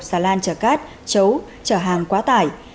xà lan trở cát chấu trở hàng quá tải